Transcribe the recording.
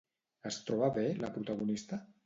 Es troba bé la protagonista?